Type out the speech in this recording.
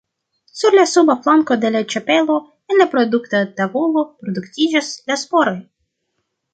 Sur la suba flanko de la ĉapelo, en la produkta tavolo, produktiĝas la sporoj.